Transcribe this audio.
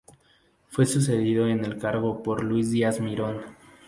Fue sucedido en el cargo por Luis Díaz Mirón.